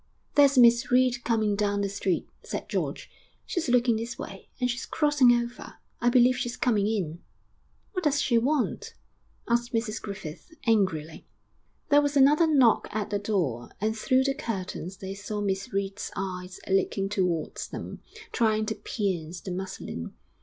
'There's Miss Reed coming down the street,' said George. 'She's looking this way, and she's crossing over. I believe she's coming in.' 'What does she want?' asked Mrs Griffith, angrily. There was another knock at the door, and through the curtains they saw Miss Reed's eyes looking towards them, trying to pierce the muslin.